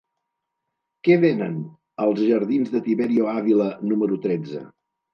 Què venen als jardins de Tiberio Ávila número tretze?